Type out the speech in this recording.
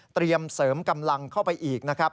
เสริมกำลังเข้าไปอีกนะครับ